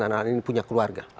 anak anak ini punya keluarga